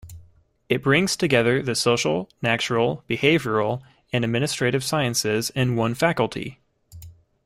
It brings together the social, natural, behavioral, and administrative sciences in one faculty.